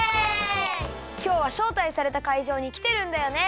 きょうはしょうたいされたかいじょうにきてるんだよね。